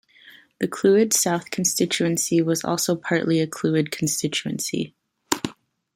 The Clwyd South constituency was also partly a Clwyd constituency.